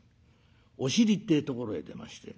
お尻ってえところへ出まして。